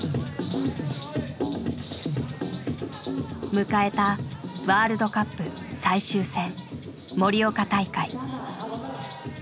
迎えたワールドカップ最終戦盛岡大会。